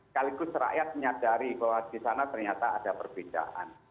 kaligus rakyat menyadari bahwa di sana ternyata ada perbedaan